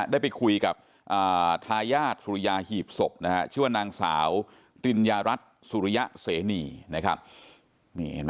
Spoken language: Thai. ได้ไปคุยกับทายาทสุริยาหีบศพชื่อว่านางสาวปริญญารัฐสุริยะเสนีนะครับ